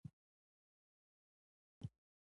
مورغاب سیند د افغانانو د ژوند طرز اغېزمنوي.